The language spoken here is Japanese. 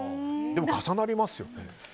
でも、重なりますよね。